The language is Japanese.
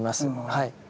はい。